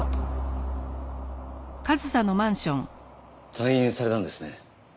退院されたんですね。